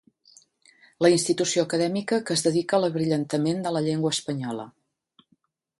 La institució acadèmica que es dedica a l'abrillantament de la llengua espanyola.